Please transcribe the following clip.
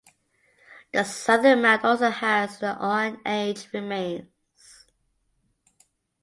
The southern mound also has the Iron Age remains.